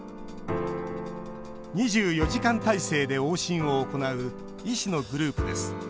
２４時間態勢で往診を行う医師のグループです。